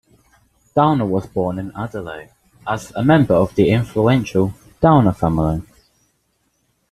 Downer was born in Adelaide as a member of the influential Downer family.